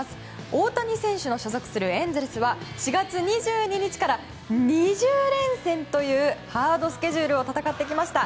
大谷選手の所属するエンゼルスは４月２２日から２０連戦というハードスケジュールを戦ってきました。